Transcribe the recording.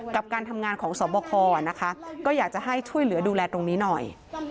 การทำงานของสอบคอนะคะก็อยากจะให้ช่วยเหลือดูแลตรงนี้หน่อย